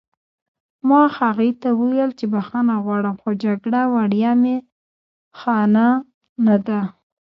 ما هغې ته وویل چې بښنه غواړم خو جګړه وړیا می خانه نه ده